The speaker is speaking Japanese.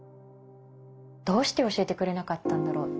どうして教えてくれなかったんだろう？